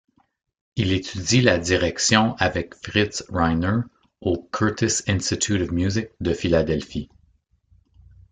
Il étudie la direction avec Fritz Reiner au Curtis Institute of Music de Philadelphie.